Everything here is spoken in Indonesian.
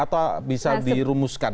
atau bisa dirumuskan